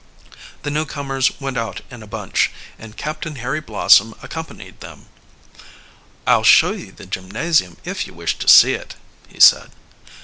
The newcomers went out in a bunch, and Captain Harry Blossom accompanied them. "I'll show you the gymnasium, if you wish to see it," he said.